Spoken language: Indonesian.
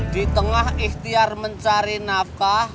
di tengah ikhtiar mencari nafkah